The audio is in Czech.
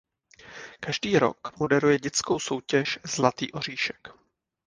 Každý rok moderuje dětskou soutěž "Zlatý oříšek".